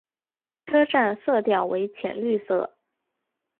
车站色调为浅绿色。